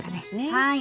はい。